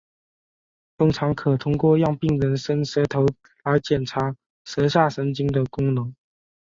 通常可通过让病人伸舌来检查舌下神经的功能。